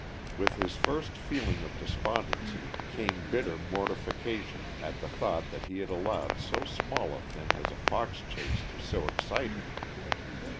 With his first feeling of despondency came bitter mortification at the thought that he had allowed so small a thing as a fox chase to so excite him.